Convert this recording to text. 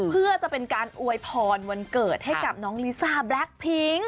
เพื่อจะเป็นการอวยพรวันเกิดให้กับน้องลิซ่าแบล็คพิ้ง